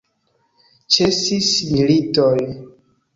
Ĉesis militoj!